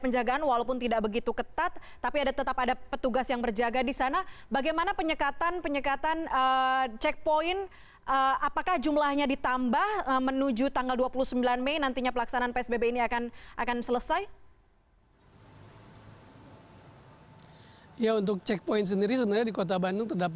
jalan asia afrika